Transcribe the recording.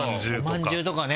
おまんじゅうとかね